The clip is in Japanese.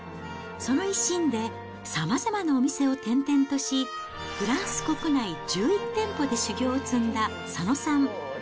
その一心で、さまざまなお店を転々とし、フランス国内１１店舗で修業を積んだ佐野さん。